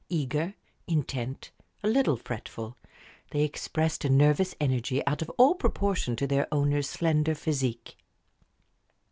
Eager, intent, a little fretful, they expressed a nervous energy out of all proportion to their owner's slender physique.